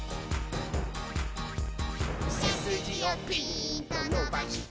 「せすじをピーンとのばして」